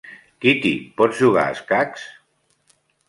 Kitty, pots jugar a escacs?